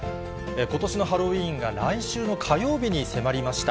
ことしのハロウィーンが来週の火曜日に迫りました。